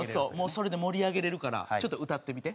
それで盛り上げられるからちょっと歌ってみて。